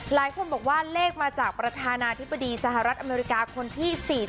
หลายคนบอกว่าเลขมาจากประธานาธิบดีสหรัฐอเมริกาคนที่๔๐